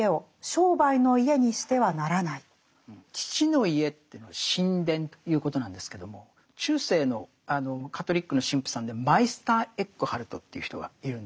「父の家」っていうのは神殿ということなんですけども中世のカトリックの神父さんでマイスター・エックハルトという人がいるんですね。